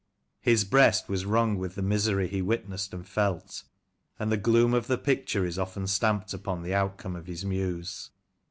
His breast was wrung with the misery he witnessed and felt, and the gloom of the picture is often stamped upon the outcome of his muse.